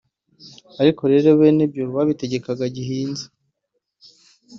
ariko rero bene byo babitegekaga gihinza